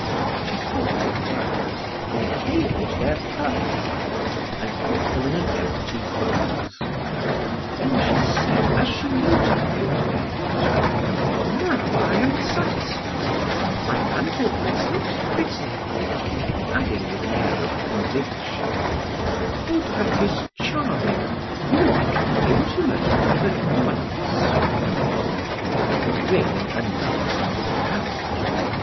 She took the flowers, inhaled their perfume, and put them in an empty vase. Then she said as she noted the effect: "Now I am satisfied; my mantelpiece looks pretty," adding with an air of conviction: "Vaudrec is charming; you will become intimate with him at once," A ring announced the Count.